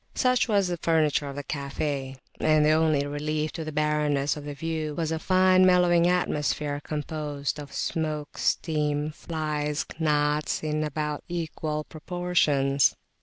Such was the furniture of the cafe, and the only relief to the barrenness of the view was a fine mellowing atmosphere composed of smoke, steam, [p.216] flies, and gnats in about equal proportions.